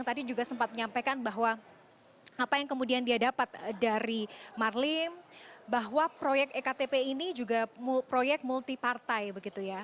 tadi juga sempat menyampaikan bahwa apa yang kemudian dia dapat dari marlim bahwa proyek ektp ini juga proyek multi partai begitu ya